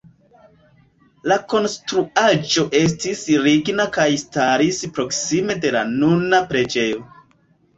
La konstruaĵo estis ligna kaj staris proksime de la nuna preĝejo.